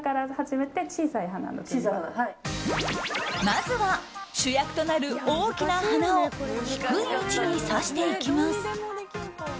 まずは主役となる大きな花を低い位置に挿していきます。